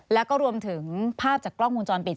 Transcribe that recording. แล้วก็รวมถึงภาพจากกล้องวงจรปิด